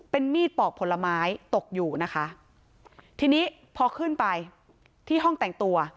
มีดปอกผลไม้ตกอยู่นะคะทีนี้พอขึ้นไปที่ห้องแต่งตัว